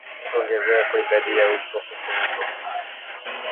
Kuongezeka kwa idadi ya mbwa koko au mbwa mwitu